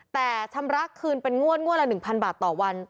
แต่ชำระคืนเป็นงวดงวดละ๑๐๐บาทต่อวัน